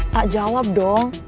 tak jawab dong